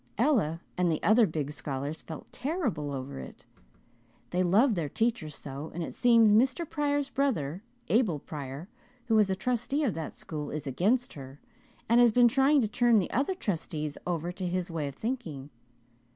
Ella and the other big scholars felt terrible over it. They love their teacher so, and it seems Mr. Pryor's brother, Abel Pryor, who is trustee of that school, is against her and has been trying to turn the other trustees over to his way of thinking.